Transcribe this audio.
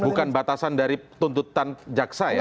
bukan batasan dari tuntutan jaksa ya